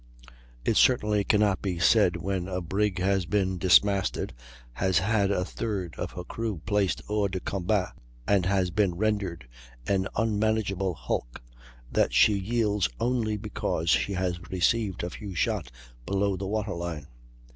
It certainly cannot be said when a brig has been dismasted, has had a third of her crew placed hors de combat, and has been rendered an unmanageable hulk, that she yields only because she has received a few shot below the water line.